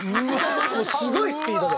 もうすごいスピードで。